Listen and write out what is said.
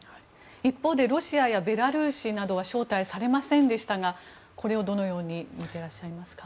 一方でロシアやベラルーシなどは招待されませんでしたがこれをどのように見てらっしゃいますか？